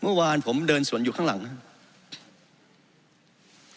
เมื่อวานผมเดินสวนอยู่ข้างหลังนะครับ